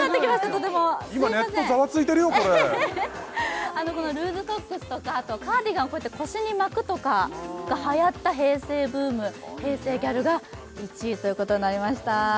これこのルーズソックスとかあとカーディガンをこうやって腰に巻くとかがはやった平成ブーム平成ギャルが１位ということになりました